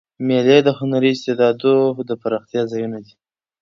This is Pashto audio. مېلې د هنري استعدادو د پراختیا ځایونه دي.